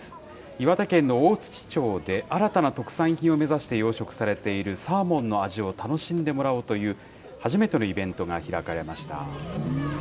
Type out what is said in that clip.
岩手県の大槌町で、新たな特産品を目指して養殖されているサーモンの味を楽しんでもらおうという、初めてのイベントが開かれました。